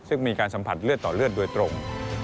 ซึ่งมีการสัมผัสเลือดต่อเลือดโดยตรง